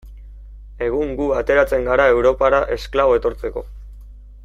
Egun gu ateratzen gara Europara esklabo etortzeko.